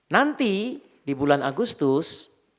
nanti di bulan agustus